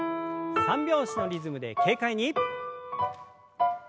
三拍子のリズムで軽快に。